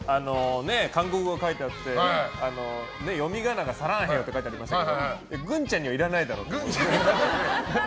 韓国語が書いてあって読み仮名がサランヘヨって書いてありましたけどグンちゃんには、いらないだろ。